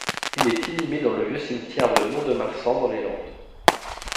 Il est inhumé dans le vieux cimetière de Mont-de-Marsan dans les Landes.